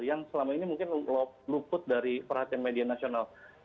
yang selama ini mungkin luput dari perhatian media nasional